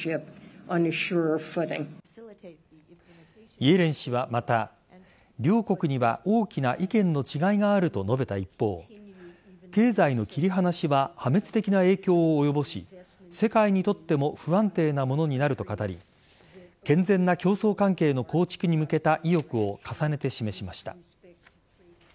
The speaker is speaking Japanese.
イエレン氏は、また両国には大きな意見の違いがあると述べた一方経済の切り離しは破滅的な影響を及ぼし世界にとっても不安定なものになると語り健全な競争関係の構築に向けた意欲を重ねて示しました。